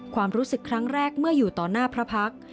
ความรู้สึกครั้งแรกเมื่ออยู่ต่อหน้าพระพักษ์